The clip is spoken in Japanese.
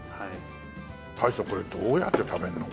大将これどうやって食べるの？